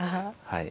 はい。